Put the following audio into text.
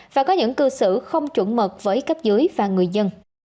và có những cư xử không chuẩn mực với cấp dưới và người dân